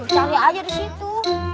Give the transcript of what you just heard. cari aja di situ